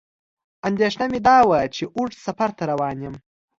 اندېښنه مې دا وه چې اوږد سفر ته روان یم.